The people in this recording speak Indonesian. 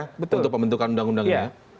betul betul untuk pembentukan undang undang ini